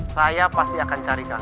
saya pasti akan cari kalian